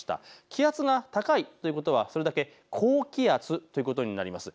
気圧が高いということはそれだけ高気圧ということになります。